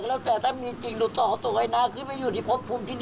แล้วก็